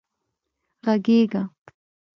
غږېږه